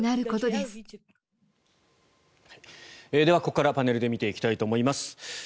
ではここからパネルで見ていきたいと思います。